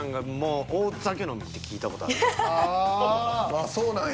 ああそうなんや。